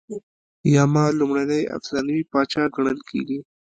یما لومړنی افسانوي پاچا ګڼل کیږي